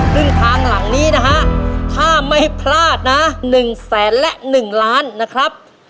ซึ่งทางหลังนี้นะฮะถ้าไม่พลาดนะ๑แสนและ๑ล้านนะครับ